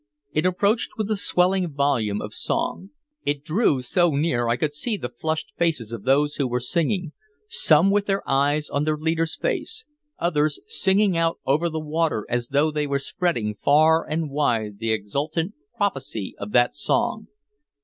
It approached with a swelling volume of song. It drew so near I could see the flushed faces of those who were singing, some with their eyes on their leader's face, others singing out over the water as though they were spreading far and wide the exultant prophecy of that song.